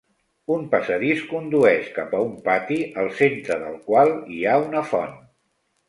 Un passadís condueix cap a un pati, al centre del qual hi ha una font.